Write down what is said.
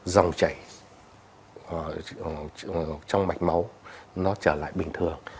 dòng chảy trong mạch máu nó trở lại bình thường